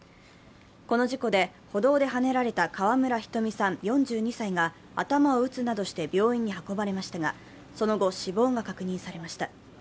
この事故で、歩道ではねられた川村ひとみさん４２歳が頭を打つなどして病院に運ばれましたがその後、死亡が確認されました。